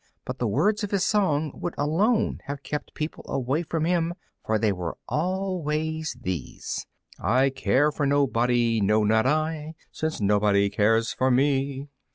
But the words of his song would alone have kept people away from him, for they were always these: "I care for nobody, no! not I, Since nobody cares for me."